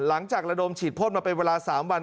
หลังจากระดมฉีดพ่นมาไปเวลา๓วัน